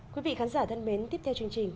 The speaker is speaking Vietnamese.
quý vị khán giả thân mến tiếp theo chương trình